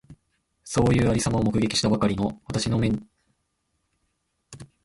そういう有様を目撃したばかりの私の眼めには、猿股一つで済まして皆みんなの前に立っているこの西洋人がいかにも珍しく見えた。